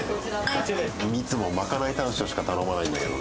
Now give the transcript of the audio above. いつもまかないタン塩しか頼まないんだけどね。